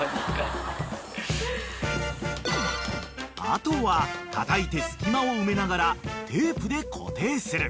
［あとはたたいて隙間を埋めながらテープで固定する］